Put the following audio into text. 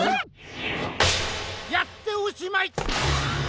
やっておしまい！